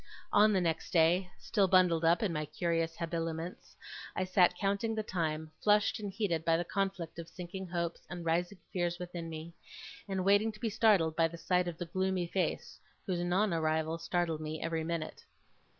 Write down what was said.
On the next day, still bundled up in my curious habiliments, I sat counting the time, flushed and heated by the conflict of sinking hopes and rising fears within me; and waiting to be startled by the sight of the gloomy face, whose non arrival startled me every minute.